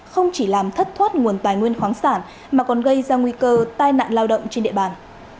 không chỉ làm thất thoát nguồn tài nguyên khoáng sản mà còn gây ra nguy cơ tai nạn lao động trên địa bàn